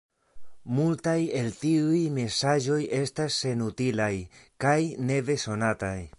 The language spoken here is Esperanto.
Multaj el tiuj mesaĝoj estas senutilaj kaj nebezonataj.